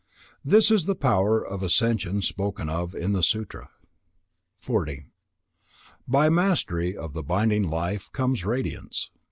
This is the power of ascension spoken of in the Sutra. 40. By mastery of the binding life comes radiance.